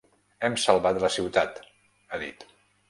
Hem salvat la ciutat, ha dit.